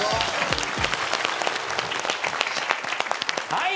はい。